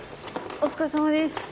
お疲れさまです。